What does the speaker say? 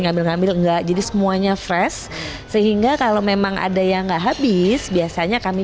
ngambil ngambil enggak jadi semuanya fresh sehingga kalau memang ada yang nggak habis biasanya kami